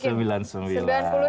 kita boleh makan gorengan sekarang ya